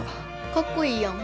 かっこいいやん。